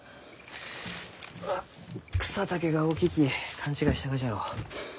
あ草丈が大きいき勘違いしたがじゃろう。